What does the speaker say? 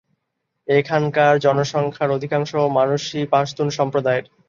এখানকার জনসংখ্যার অধিকাংশ মানুষই পশতুন সম্প্রদায়ের।